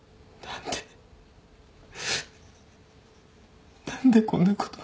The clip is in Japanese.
何で何でこんなこと。